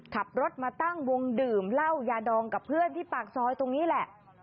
ขับรถมาตั้งวงดื่มเหล้ายาดองกับเพื่อนที่ปากซอยตรงนี้แหละ